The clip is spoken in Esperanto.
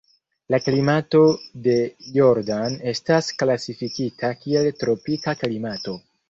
La klimato de Jordan estas klasifikita kiel tropika klimato.